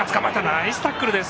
ハイタックルです。